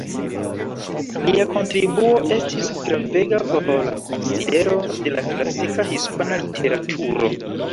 Lia kontribuo estis gravega por la konsidero de la klasika hispana literaturo.